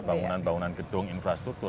bangunan bangunan gedung infrastruktur